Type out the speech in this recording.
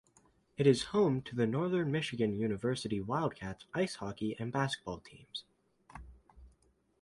It is home to the Northern Michigan University Wildcats ice hockey and basketball teams.